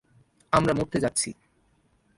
আমরা মরতে যাচ্ছি।